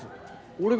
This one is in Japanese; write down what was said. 俺が。